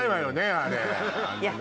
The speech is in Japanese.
あれ。